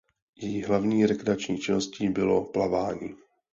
Její hlavní rekreační činností bylo plavání.